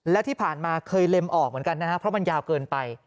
และที่ผ่านมาเคยเล็มออกเหมือนกันนะครับเพราะมันยาวเกินไป